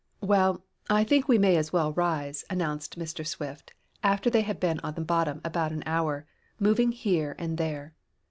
"Well, I think we may as well rise," announced Mr. Swift, after they had been on the bottom about an hour, moving here and there.